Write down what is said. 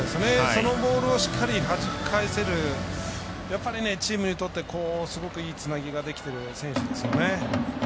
そのボールをしっかりはじき返せるチームにとってすごくいいつなぎができている選手ですよね。